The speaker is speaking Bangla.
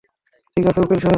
ঠিক আছে, উকিল সাহেব।